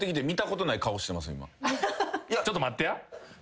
ちょっと待ってや。